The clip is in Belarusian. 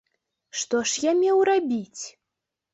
Што ж я меў рабіць?